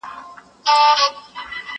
وزير که منډ که، خپله کونه به بربنډ که.